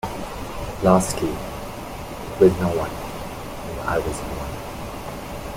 Lastly, it was no one, and I was no one.